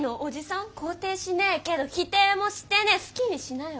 肯定しねーけど否定もしてねー好きにしなよ